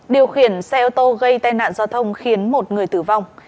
điều khiển xe ô tô gây tai nạn giao thông khiến một người tử vong